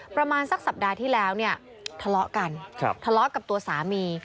ประมาณสักสัปดาห์ที่แล้วเนี่ยทะเลาะกันทะเลาะกับตัวสามี